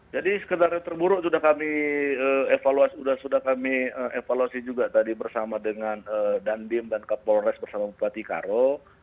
jadi skenario terburuk sudah kami evaluasi juga tadi bersama dengan dandim dan kapolres bersama bupati karo